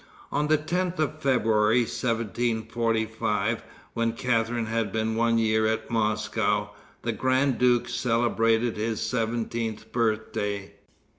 On the 10th of February, 1745, when Catharine had been one year at Moscow, the grand duke celebrated his seventeenth birthday.